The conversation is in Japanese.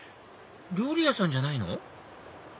料理屋さんじゃないの？